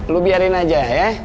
lu biarin aja ya